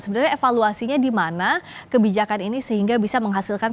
sebenarnya evaluasinya di mana kebijakan ini sehingga bisa menghasilkan